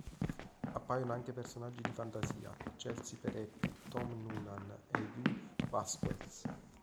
Appaiono anche personaggi di fantasia: Chelsea Peretti, Tom Noonan e Yul Vazquez.